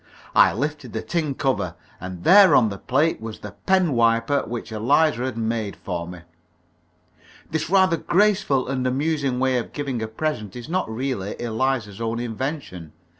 I lifted the tin cover, and there on the plate was the pen wiper which Eliza had made for me. This rather graceful and amusing way of giving a present is not really Eliza's own invention.